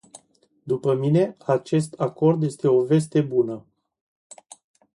După mine, acest acord este o veste bună.